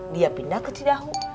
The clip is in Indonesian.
dia pindah ke cidahu